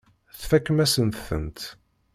Tfakem-asen-tent.